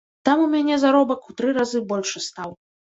Там у мяне заробак у тры разы большы стаў.